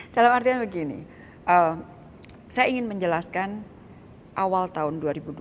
dalam artian begini saya ingin menjelaskan awal tahun dua ribu dua puluh